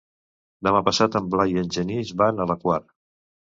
Demà passat en Blai i en Genís van a la Quar.